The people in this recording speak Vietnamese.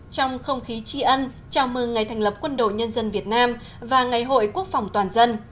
trong không khí tri ân chào mừng ngày thành lập quân đội nhân dân việt nam và ngày hội quốc phòng toàn dân